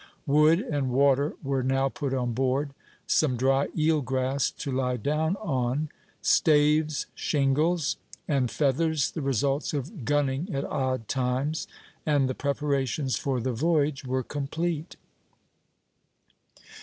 Wood and water were now put on board; some dry eel grass to lie down on; staves, shingles; and feathers, the results of gunning at odd times; and the preparations for the voyage were complete.